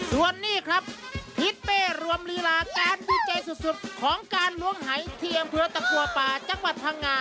ส่วนนี้ครับทิศเป้รวมลีลาการวิจัยสุดของการล้วงหายเทียมเภอตะกัวป่าจังหวัดพังงา